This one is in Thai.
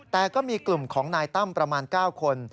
แต่ก็มีกลุ่มของนายตั้มประมาณ๙คน